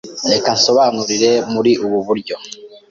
Reka nsobanure muri ubu buryo